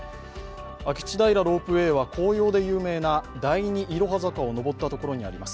明智平ロープウェイは紅葉で有名な第２いろは坂を上ったところにあります。